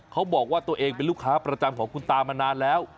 เขาบอกว่าตัวเองเป็นลูกค้าประจำของคุณตามานานแล้ว